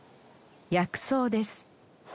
薬草です。